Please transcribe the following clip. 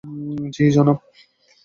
জ্বি, জনাব!